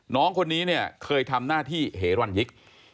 น้องคนนี้เนี่ยเคยทำหน้าที่เหรันยิก